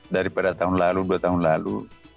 daripada tahun lalu dua tahun lalu